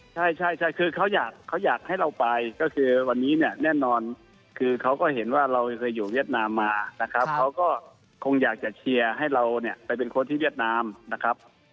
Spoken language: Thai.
ใช่ใช่คือเขาอยากเขาอยากให้เราไปก็คือวันนี้เนี่ยแน่นอนคือเขาก็เห็นว่าเราเคยอยู่เวียดนามมานะครับเขาก็คงอยากจะเชียร์ให้เราเนี่ยไปเป็นคนที่เวียดนามนะครับ